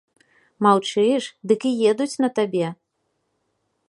Маўчыш, дык і едуць на табе.